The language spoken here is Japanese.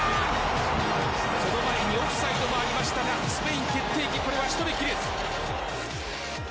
その前にオフサイドもありましたがスペイン、決定機はしとめきれず。